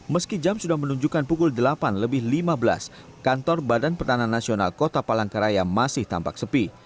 meski jam sudah menunjukkan pukul delapan lebih lima belas kantor badan pertahanan nasional kota palangkaraya masih tampak sepi